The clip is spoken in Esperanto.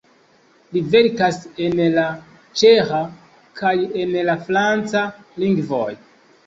Li verkas en la ĉeĥa kaj en la franca lingvoj.